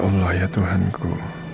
ya allah ya tuhanku